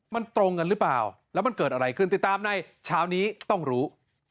มันตรงกันหรือเปล่าแล้วมันเกิดอะไรขึ้นติดตามในเช้านี้ต้องรู้